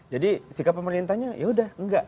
jadi sikap pemerintahnya ya udah enggak